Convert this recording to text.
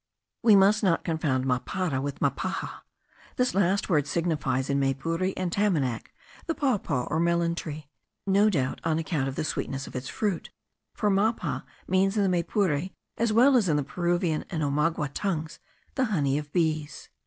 We must not confound mapara with mapaja; this last word signifies, in Maypure and Tamanac, the papaw or melon tree, no doubt on account of the sweetness of its fruit, for mapa means in the Maypure, as well as in the Peruvian and Omagua tongues, the honey of bees.